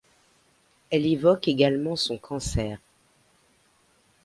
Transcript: Elle évoque également son cancer.